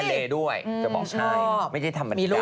ไปทะเลด้วยจะบอกด้วยไม่ใช่ทำแบบนั้นเลย